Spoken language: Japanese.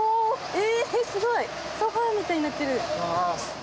すごいソファみたいになってる。